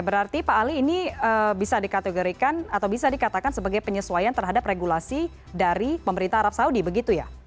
berarti pak ali ini bisa dikategorikan atau bisa dikatakan sebagai penyesuaian terhadap regulasi dari pemerintah arab saudi begitu ya